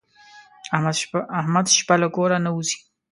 احمد شپه له کوره نه وځي.